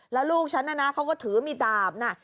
แล้วลูกฉันน่ะนะเขาก็ถือมีดาบนะ